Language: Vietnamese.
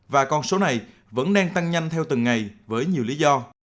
và con số này vẫn đang tăng nhanh theo từng ngày với nhiều lý do